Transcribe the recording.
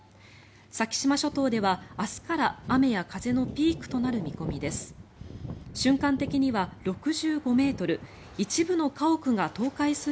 先島諸島では明日から雨や風のピークとなる見込みです。